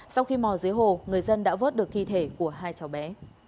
sau khi mò dưới hồ người dân đã vớt được thi thể của hai cháu bé